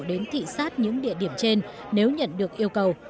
đến thị xát những địa điểm trên nếu nhận được yêu cầu